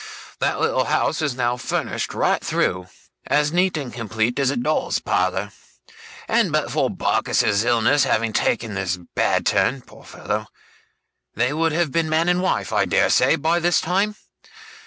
That little house is now furnished right through, as neat and complete as a doll's parlour; and but for Barkis's illness having taken this bad turn, poor fellow, they would have been man and wife I dare say, by this time.